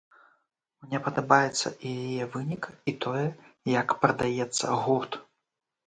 Мне падабаецца і яе вынік, і тое, як прадаецца гурт.